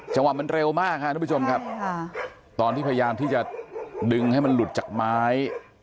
จังหวะมันเร็วมากค่ะทุกผู้ชมครับตอนที่พยายามที่จะดึงให้มันหลุดจากไม้